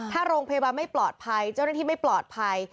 ถ้าโรงพยาบาลไม่ปลอดภัยเจ้าหน้าที่ไม่ปลอดภัย